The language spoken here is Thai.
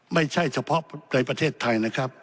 ไม่เฉพาะในประเทศไทย